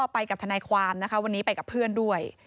ไปกับทนายความนะคะวันนี้ไปกับเพื่อนด้วย